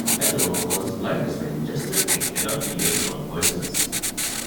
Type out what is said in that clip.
Methanol causes blindness when ingested, and cannot be made non-poisonous.